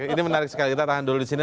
ini menarik sekali kita tahan dulu disini